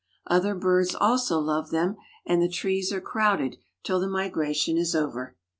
Other birds also love them and the trees are crowded till the migration is over.